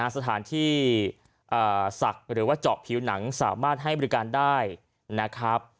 สถานที่ศักดิ์หรือว่าเจาะผิวหนังสามารถให้บริการได้นะครับ